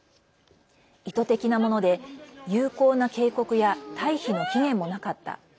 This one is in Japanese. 意図的なもので、有効な警告や退避の期限もなかった。